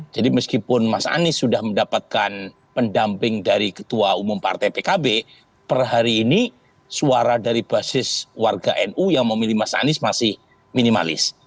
jadi meskipun mas anies sudah mendapatkan pendamping dari ketua umum partai pkb perhari ini suara dari basis warga nu yang memilih mas anies masih minimalis